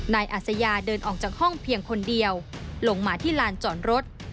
นายอัศยาเดินออกจากห้องเพียงคนเดียวลงมาที่ลานจอดรถ